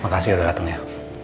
makasih udah dateng ya